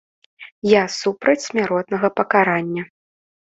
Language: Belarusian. Я супраць смяротнага пакарання.